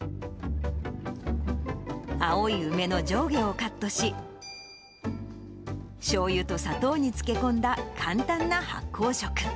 青い梅の上下をカットし、しょうゆと砂糖に漬け込んだ簡単な発酵食。